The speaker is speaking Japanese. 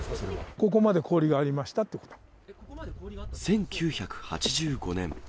ここまで氷がありましたって１９８５年。